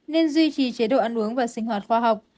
nên duy trì chế độ ăn uống và sinh hoạt khoa học